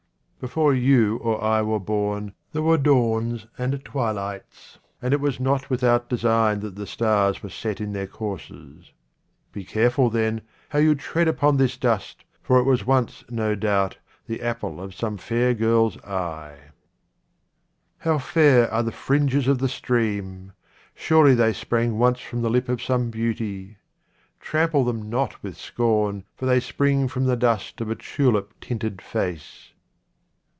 BEFORE you or I were born, there were dawns and twilights, and it was not without design that the stars were set in their courses. Be careful, then, how you tread upon this dust, for it was once, no doubt, the apple of some fair girl's eye. 9 QUATRAINS OF OMAR KHAYYAM How fair are the fringes of the stream ! Surely they sprang once from the lip of some beauty. Trample them not with scorn, for they spring from the dust of a tulip tinted face.